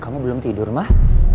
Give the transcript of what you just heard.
kamu belum tidur mah